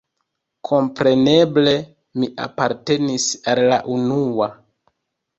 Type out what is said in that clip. Kompreneble mi apartenis al la unua.